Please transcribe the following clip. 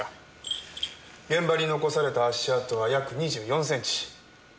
現場に残された足跡は約２４センチ。